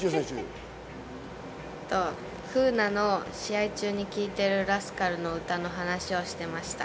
楓奈の試合中に聴いているラスカルの歌の話をしていました。